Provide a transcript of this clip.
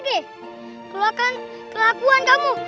keluarkan kelakuan kamu